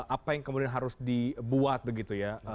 apa yang kemudian harus dibuat begitu ya